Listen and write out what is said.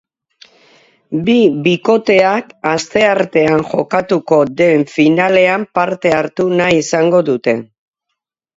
Bi bikoteak asteartean jokatuko den finalean parte hartu nahi izango dute.